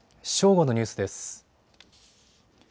正午のニュースです。